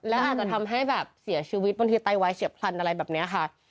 แล้วอาจจะทำให้แบบเสียชีวิตบางทีไตวายเฉียบพลันอะไรแบบนี้ค่ะ